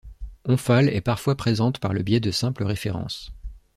Omphale est parfois présente par le biais de simples références.